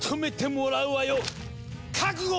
覚悟